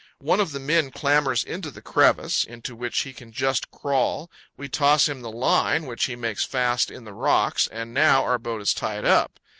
One of the men clambers into the crevice, into which he can just crawl; we toss him the line, which he makes fast in the rocks, and now our boat is tied up.